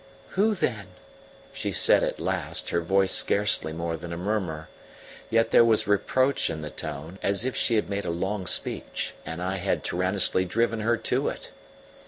"Who, then?" she said at last, her voice scarcely more than a murmur; yet there was reproach in the tone, as if she had made a long speech and I had tyrannously driven her to it.